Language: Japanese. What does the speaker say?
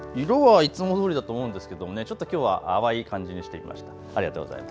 色はいつもどおりだと思うんですけどね、ちょっときょうは淡い感じにしてみました。